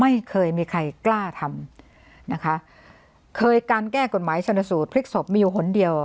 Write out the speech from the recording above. ไม่เคยมีใครกล้าทำนะคะเคยการแก้กฎหมายชนสูตรพลิกศพมีอยู่หนเดียว